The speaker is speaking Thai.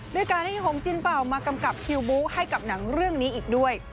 ด้วยการให้หงจินเปล่ามากำกับคิวบู๊ให้กับหนังเรื่องนี้อีกด้วย